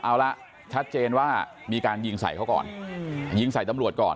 เอาละชัดเจนว่ามีการยิงใส่เขาก่อนยิงใส่ตำรวจก่อน